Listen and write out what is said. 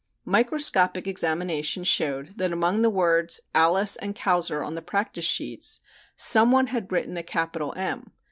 Microscopic examination showed that among the words "Alice" and "Kauser" on the practice sheets some one had written a capital "M."